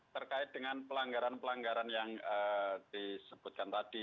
terkait dengan pelanggaran pelanggaran yang disebutkan tadi